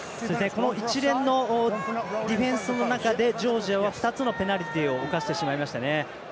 この一連のディフェンスの中でジョージアは２つのペナルティを犯してしまいましたね。